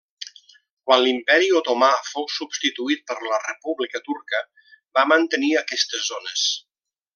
Quan l'Imperi Otomà fou substituït per la República Turca, va mantenir aquestes zones.